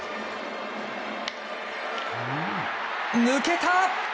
抜けた！